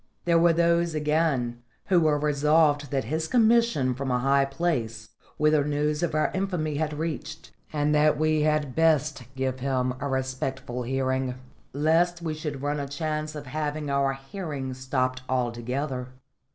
There were those, again, who were resolved that his commission was from a high place, whither news of our infamy had reached, and that we had best give him a respectful hearing, lest we should run a chance of having our hearing stopped altogether.